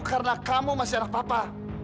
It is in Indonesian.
karena kamu masih anak papa